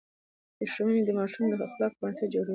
ښوونې د ماشوم د اخلاقو بنسټ جوړوي.